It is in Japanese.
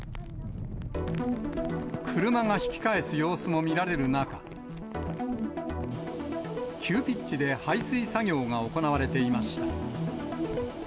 車が引き返す様子も見られる中、急ピッチで排水作業が行われていました。